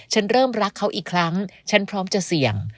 ฉันเริ่มรักเขาอีกครั้งฉันพร้อมจะเสี่ยง